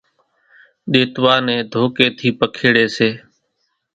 ۮيتوا ني ڌوڪي ٿي پکيڙي سي۔